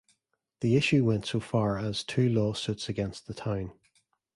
The issue went so far as two lawsuits against the town.